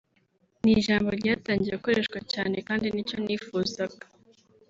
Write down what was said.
…ni ijambo ryatangiye gukoreshwa cyane kandi nicyo nifuzaga